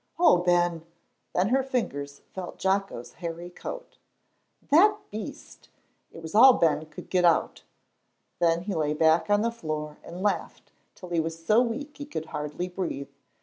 "Oh, Ben," then her fingers felt Jocko's hairy coat. "That beast!" It was all Ben could get out. Then he lay back on the floor and laughed till he was so weak he could hardly breathe.